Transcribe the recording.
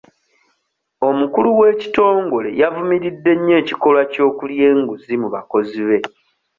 Omukulu w'ekitongole yavumiridde nnyo ekikolwa ky'okulya enguzi mu bakozi be.